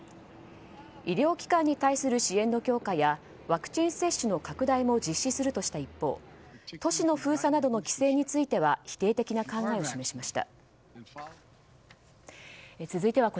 医療機関に対する支援の強化やワクチン接種の拡大も実施するとした一方都市の封鎖などの規制については否定的な考えを示しました。